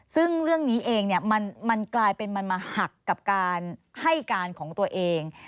ซึ่งเรื่องนี้เองมันกลายเป็นมันมาหักกับการให้การของตัวเอง